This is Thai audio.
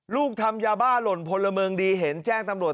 ลูกทำยาบ้าหล่นพลเมืองดีเห็นแจ้งตำรวจ